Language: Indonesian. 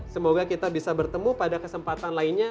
semoga kita bisa bertemu pada kesempatan lainnya